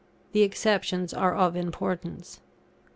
The exceptions are of importance.